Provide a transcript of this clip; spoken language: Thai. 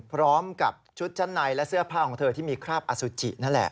พร้อมกับชุดชั้นในและเสื้อผ้าของเธอที่มีคราบอสุจินั่นแหละ